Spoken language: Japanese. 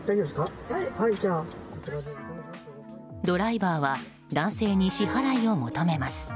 ドライバーは男性に支払いを求めます。